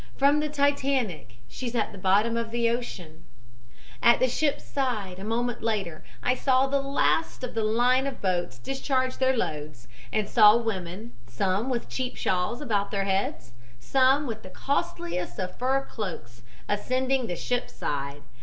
'From the Titanic. She's at the bottom of the ocean.' "At the ship's side, a moment later, I saw the last of the line of boats discharge their loads, and saw women, some with cheap shawls about their heads, some with the costliest of fur cloaks, ascending the ship's side.